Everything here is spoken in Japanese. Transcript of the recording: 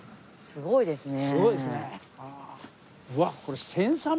すごいですね。